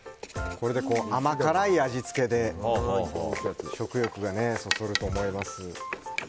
甘辛い味付けで食欲をそそると思います。